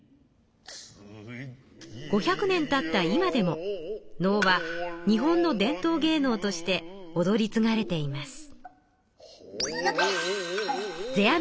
５００年たった今でも能は日本の伝統芸能としておどりつがれています。